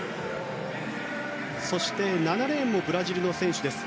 そして７レーンもブラジルの選手です。